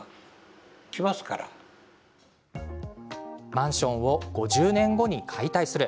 マンションを５０年後に解体する。